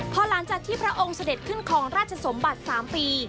พอหลังจากที่พระองค์เสด็จขึ้นคลองราชสมบัติ๓ปี